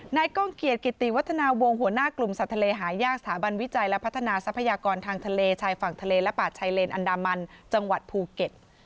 ก้องเกียจกิติวัฒนาวงศ์หัวหน้ากลุ่มสัตว์ทะเลหายากสถาบันวิจัยและพัฒนาทรัพยากรทางทะเลชายฝั่งทะเลและป่าชายเลนอันดามันจังหวัดภูเก็ต